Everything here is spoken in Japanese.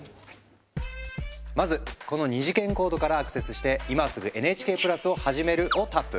まずこの二次元コードからアクセスして「今すぐＮＨＫプラスをはじめる」をタップ。